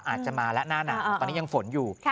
อาจจะมาแล้วหน้าหนาวตอนนี้ยังฝนอยู่